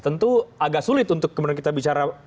tentu agak sulit untuk kemudian kita bicara